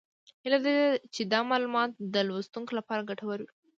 هیله ده چې دا معلومات د لوستونکو لپاره ګټور وي